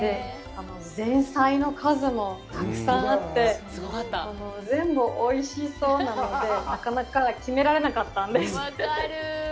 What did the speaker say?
前菜の数もたくさんあって、全部、おいしそうなので、なかなか決められなかったんです。